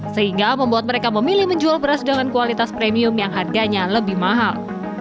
sehingga membuat mereka memilih menjual beras dengan kualitas premium yang harganya lebih mahal